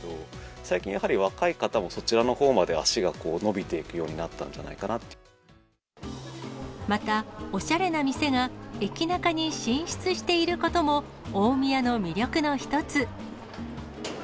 最近やはり、若い方もそちらのほうまで足が伸びていくようになっまた、おしゃれな店が駅ナカに進出していることも大宮の魅力の一つ。